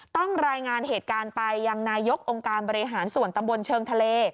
ต้องรายงานเหตุการณ์ไปยังนายกองค์การบริหารส่วนตำบลเชิงทะเล